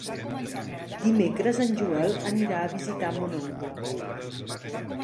Dimecres en Joel anirà a visitar mon oncle.